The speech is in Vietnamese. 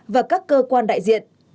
và các cơ quan đại diện